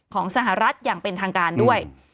ของสหรัฐอย่างเป็นทางการด้วย